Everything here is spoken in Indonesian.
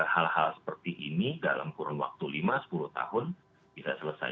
hal hal seperti ini dalam kurun waktu lima sepuluh tahun bisa selesai